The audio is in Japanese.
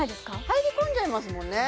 入り込んじゃいますもんね